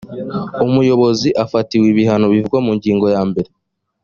umuyobozi ufatiwe ibihano bivugwa mu ngingo ya mbere